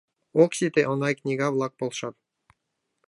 Ок сите — оҥай книга-влак полшат.